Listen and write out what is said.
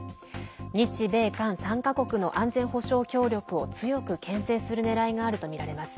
日米韓３か国の安全保障協力を強く、けん制するねらいがあるとみられます。